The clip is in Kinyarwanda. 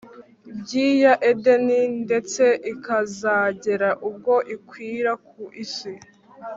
byi ya Edeni ndetse ikazagera ubwo ikwira ku isi